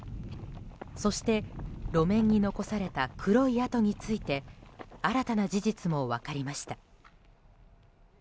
そして、路面に残された黒い跡について新たな事実も分かりました。